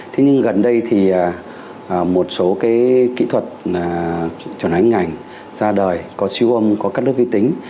thế nhưng gần đây thì một số kỹ thuật tròn ánh ngảnh ra đời có siêu âm có cắt đứt vi tính